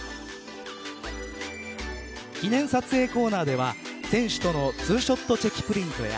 記念撮影コーナーでは選手との２ショットチェキプリントや